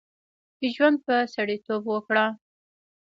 ژوند په سړیتوب وکړه.